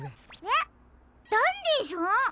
えっダンディさん？